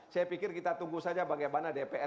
saya pikir kita tunggu saja bagaimana dpr